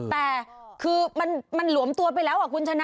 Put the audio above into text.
แต่คือมันหลวมตัวไปแล้วคุณชนะ